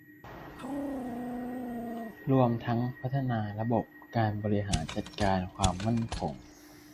รวมทั้งพัฒนาระบบการบริหารจัดการความมั่นคง